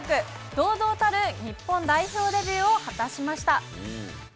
堂々たる日本代表デビューを果たしました。